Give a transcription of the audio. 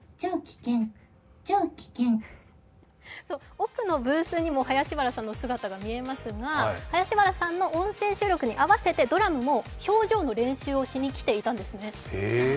奥のブースにも林原さんの姿が見えますが、林原さんの音声収録に合わせて、ドラムも表情の練習をしに来ていたんですね。